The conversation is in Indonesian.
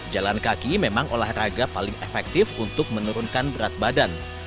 jalan kaki memang olahraga paling efektif untuk menurunkan berat badan